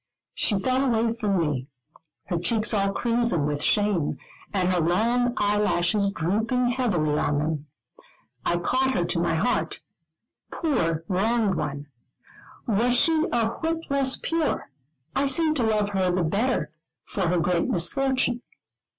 She fell away from me, her cheeks all crimson with shame, and her long eyelashes drooping heavily on them. I caught her to my heart: poor wronged one, was she a whit less pure? I seemed to love her the better, for her great misfortune.